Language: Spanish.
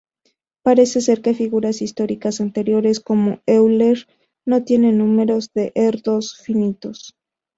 Parece ser que figuras históricas anteriores, como Euler no tienen números de Erdős finitos.